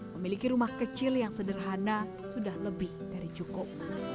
memiliki rumah kecil yang sederhana sudah lebih dari cukup